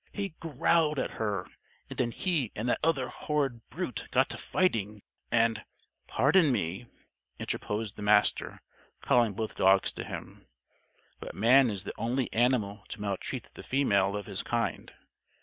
"He growled at her, and then he and that other horrid brute got to fighting, and " "Pardon me," interposed the Master, calling both dogs to him, "but Man is the only animal to maltreat the female of his kind.